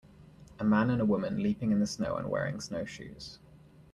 A man and a woman leaping in the snow and wearing snowshoes.